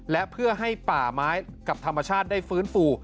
และเพื่อให้ป่าไม้กับธรรมชาติได้ฟื้นฟู